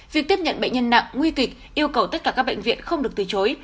việc tiếp nhận bệnh nhân nặng nguy kịch yêu cầu tất cả các bệnh viện không được từ chối